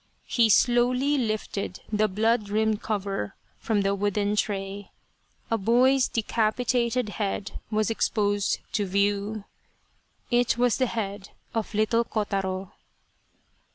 He slowly lifted the blood rimmed cover from the wooden tray. A boy's decapitated head was exposed to view. It was the head of little Kotaro.